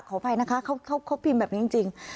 ขออภัยนะคะเขาพิมพ์แบบนี้จริง